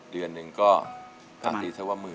เดือนนึงก็ทันนี้ชาวว่ามี